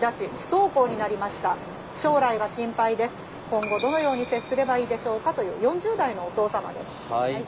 今後どのように接すればいいでしょうか」という４０代のお父様です。